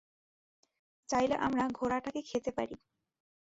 চাইলে আমরা ঘোড়া টাকে খেতে পারি।